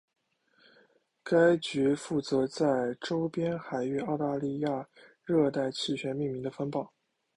该局负责在周边海域澳大利亚热带气旋命名的风暴。